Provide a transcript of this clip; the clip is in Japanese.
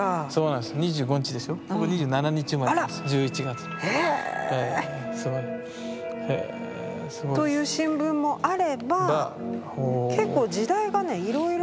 あら。１１月の。へ。という新聞もあれば結構時代がねいろいろ。